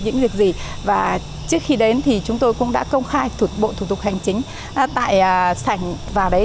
những việc gì và trước khi đến thì chúng tôi cũng đã công khai bộ thủ tục hành chính tại sảnh vào đấy